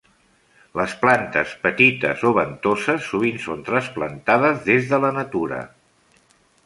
Les plantes petites o ventoses sovint són trasplantades des de la natura.